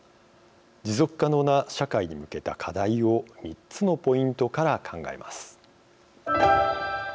持続可能な社会に向けた課題を３つのポイントから考えます。